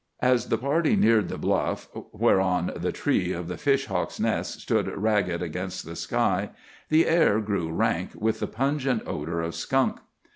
As the party neared the bluff whereon the tree of the fish hawk's nest stood ragged against the sky, the air grew rank with the pungent odour of skunk.